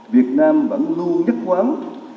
việt nam vẫn luôn nhất quán